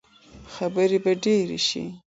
خبرې به ډېرې شي.